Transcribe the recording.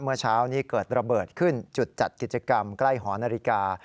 เมื่อเช้านี้เกิดระเบิดขึ้นจุดจัดกิจกรรมใกล้หอนาฬิกา